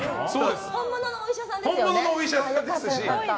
本物のお医者さんです。